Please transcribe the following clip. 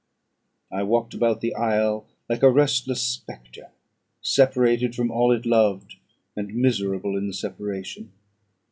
I walked about the isle like a restless spectre, separated from all it loved, and miserable in the separation.